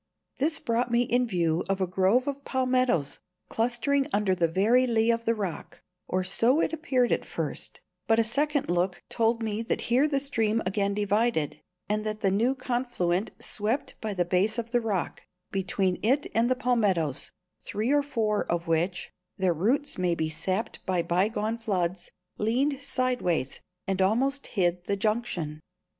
This brought me in view of a grove of palmettos, clustering under the very lee of the rock or so it appeared at first, but a second look told me that here the stream again divided, and that the new confluent swept by the base of the rock, between it and the palmettos, three or four of which (their roots, maybe, sapped by bygone floods) leaned sideways and almost hid the junction.